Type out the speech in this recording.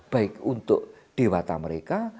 baik untuk dewata mereka